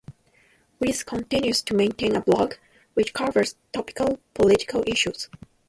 Rees continues to maintain a blog, which covers topical political issues.